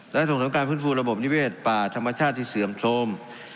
และส่งเสริมการฟื้นฟูระบบนิเวศป่าธรรมชาติที่เสื่อมโทรม